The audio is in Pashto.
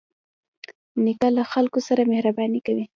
نیکه له خلکو سره مهرباني کوي.